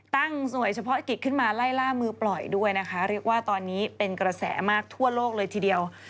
หน่วยเฉพาะกิจขึ้นมาไล่ล่ามือปล่อยด้วยนะคะเรียกว่าตอนนี้เป็นกระแสมากทั่วโลกเลยทีเดียว